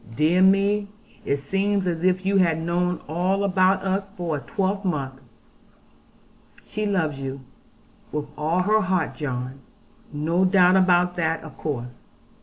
Dear me, it seems as if you had known all about us for a twelvemonth.' 'She loves you, with all her heart, John. No doubt about that of course.'